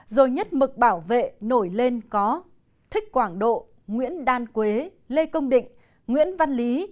rồi nhất mực bảo vệ nổi lên có thích quảng độ nguyễn đan quế lê công định nguyễn văn lý